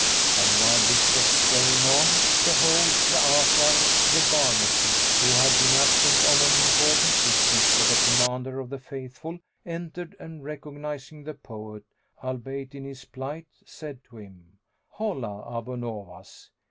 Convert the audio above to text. And while this was going on behold, Ja'afar the Barmecide, who had been absent on an important business for the Commander of the Faithful, entered and recognising the poet, albeit in this plight, said to him, "Holla, Abu Nowas!"